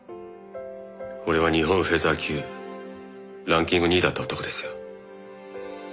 俺は日本フェザー級ランキング２位だった男ですよ。